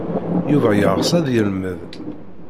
Yuba yeɣs ad yelmed.